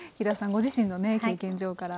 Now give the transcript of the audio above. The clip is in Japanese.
ご自身のね経験上から。